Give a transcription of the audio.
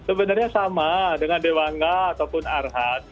ya sebenarnya sama dengan dewangga ataupun arhan